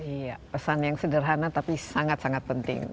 iya pesan yang sederhana tapi sangat sangat penting